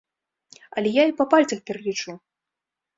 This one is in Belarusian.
Але я і па пальцах пералічу.